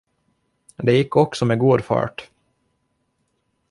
Det gick också med god fart.